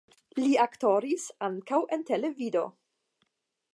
Li aktoris ankaŭ en televido.